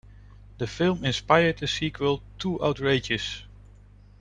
The film inspired the sequel Too Outrageous!